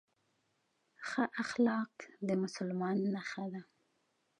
ښه اخلاق د مسلمان نښه ده